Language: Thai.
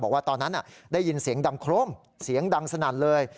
บอกว่าตอนนั้นได้ยินเสียงดังโครมเสียงดังสนั่นเลย